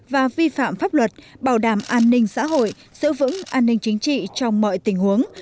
và vi phạm pháp luật bảo đảm an ninh xã hội giữ vững an ninh chính trị trong mọi tình huống